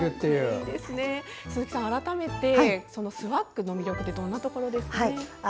鈴木さん、改めてスワッグの魅力はどんなところですか？